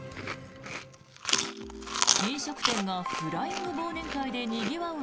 飲食店がフライング忘年会でにぎわう